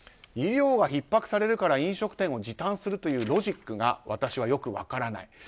医療がひっ迫されるから飲食店を時短するというロジックが私はよく分からない。